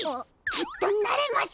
きっとなれます！